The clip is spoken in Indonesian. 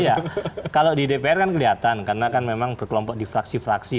iya kalau di dpr kan kelihatan karena kan memang berkelompok di fraksi fraksi